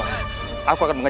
jadi seperti itu